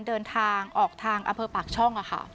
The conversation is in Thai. เดินทางออกทางอำเภอปากช่อง